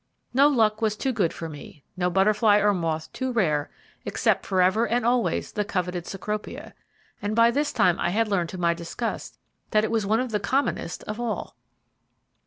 No luck was too good for me, no butterfly or moth too rare, except forever and always the coveted Cecropia, and by this time I had learned to my disgust that it was one of the commonest of all.